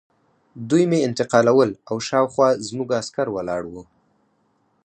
دوی مې انتقالول او شاوخوا زموږ عسکر ولاړ وو